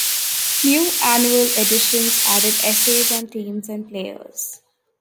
New annual editions added essays on teams and players.